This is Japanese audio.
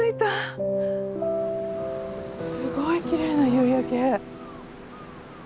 すごいきれいな夕焼け。